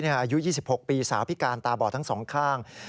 อายุ๒๖ปีสาวพิการตาบอดทั้งสองข้าง